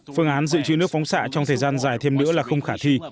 phương án dự trữ nước phóng xạ trong thời gian dài thêm nữa là không khả thi